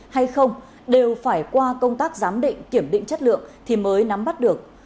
hay không đều phải qua công tác giám định kiểm định chất lượng thì mới nắm bắt được